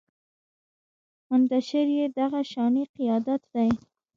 منتشر يې دغه شانې قیادت دی